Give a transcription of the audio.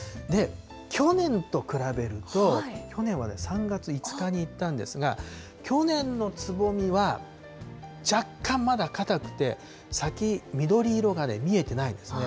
去年と比べると、去年はね、３月５日に行ったんですが、去年のつぼみは若干まだ硬くて、先、緑色がね、見えてないんですね。